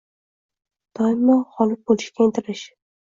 Doimo g‘olib bo‘lishga intilish.